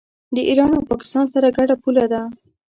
د ایران او پاکستان سره ګډه پوله ده.